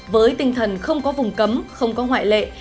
với tinh thần không có vùng cấm không có ngoại lệ